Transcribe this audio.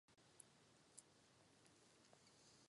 Tato sexuální praktika není výlučně lidská.